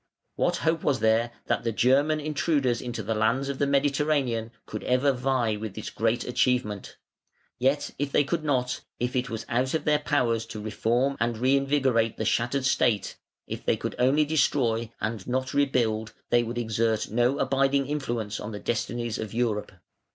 What hope was there that the German intruders into the lands of the Mediterranean could ever vie with this great achievement? Yet if they could not, if it was out of their power to reform and reinvigorate the shattered state, if they could only destroy and not rebuild, they would exert no abiding influence on the destinies of Europe.